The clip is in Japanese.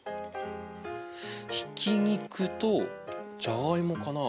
ひき肉とじゃがいもかな？